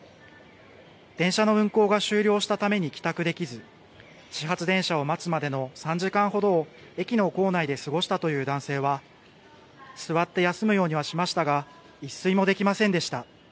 電車の運行が終了したために帰宅できず、始発電車を待つまでの３時間ほどを、駅の構内で過ごしたという男性は、座って休むようにはしましたが、一睡もできませんでした。